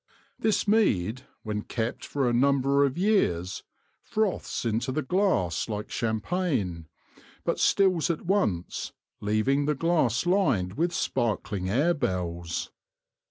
This mead, when kept for a num ber of years, froths into the glass like champagne, but stills at once, leaving the glass lined with spark ling air bells.